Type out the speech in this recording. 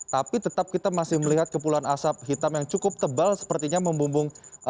tapi tetap kita masih melihat kepulan asap hitam yang cukup tebal sepertinya membumbung